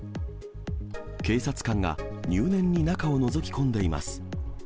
警察官が入念に中をのぞき込んでいます。